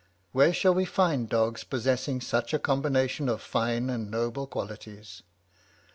Where shall we find dogs possessing such a combination of fine and noble qualities?